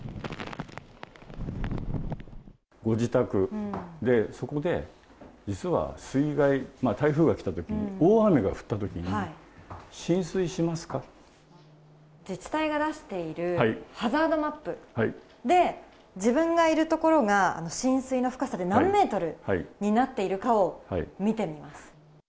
ご自宅で、そこで実は水害、台風が来たときに、大雨が降ったときは、浸水し自治体が出しているハザードマップで、自分がいる所が浸水の深さで何メートルになっているかを見てみます。